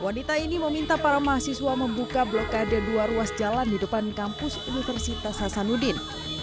wanita ini meminta para mahasiswa membuka blokade dua ruas jalan di depan kampus universitas hasanuddin